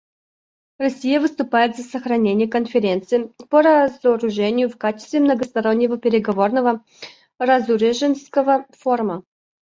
Россия выступает за сохранение Конференции по разоружению в качестве многостороннего переговорного разоруженческого форума.